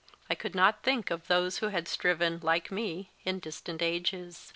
I could not think of those who had striven, like me, in distant ages.